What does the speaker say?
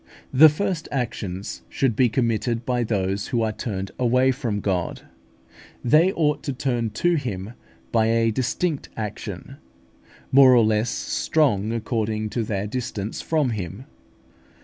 The first actions should be committed by those who are turned away from God. They ought to turn to Him by a distinct action, more or less strong according to their distance from Him.